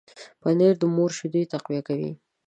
پنېر د مور شیدو تقویه کوي.